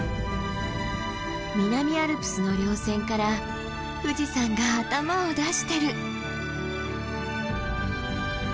南アルプスの稜線から富士山が頭を出してる！